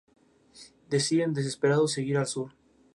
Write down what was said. Disciplinar a un niño rebelde no es lo mismo que golpear a una esposa.